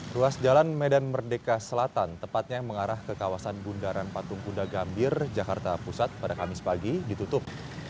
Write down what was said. ruas jalan medan merdeka selatan tepatnya yang mengarah ke kawasan bundaran patung kuda gambir jakarta pusat pada kamis pagi ditutup